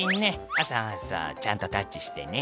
「あっそうそうちゃんとタッチしてね」